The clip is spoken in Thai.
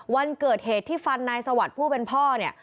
วันเกิดเหตุที่ฟันนายสวัสดิ์ผู้เป็นพ่อเนี่ย